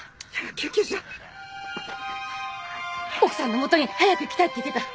奥さんの元に早く行きたいって言ってた。